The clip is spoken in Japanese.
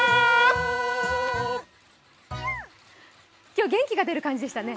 今日は元気が出る感じでしたね。